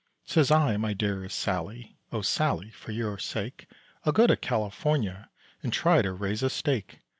Says I, "My dearest Sallie, O Sallie, for your sake, I'll go to California And try to raise a stake."